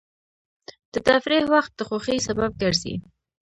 د تفریح وخت د خوښۍ سبب ګرځي.